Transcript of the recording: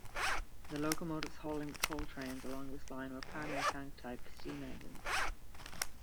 The locomotives hauling the coal trains along this line were pannier-tank type steam engines.